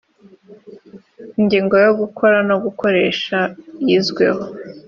ingingo yo gukora no gukoresha yizweho.